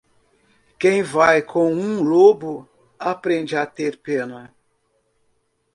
Quem vai com um lobo, aprende a ter pena.